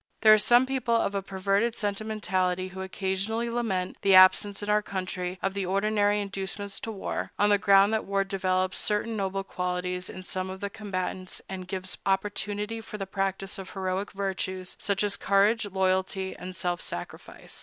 There are some people of a perverted sentimentality who occasionally lament the absence in our country of the ordinary inducements to war, on the ground that war develops certain noble qualities in some of the combatants, and gives opportunity for the practice of heroic virtues, such as courage, loyalty, and self sacrifice.